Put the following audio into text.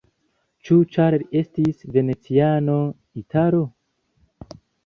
Ĉu ĉar li estis veneciano, italo?